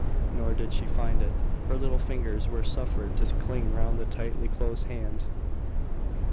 Nor did she find it. Her little fingers were suffered to cling round the tightly closed hand.